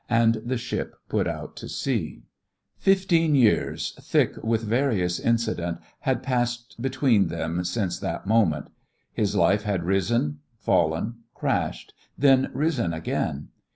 and the ship put out to sea. Fifteen years, thick with various incident, had passed between them since that moment. His life had risen, fallen, crashed, then risen again.